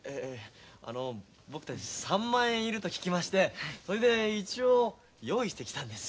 あの僕たち３万円いると聞きましてそれで一応用意してきたんです。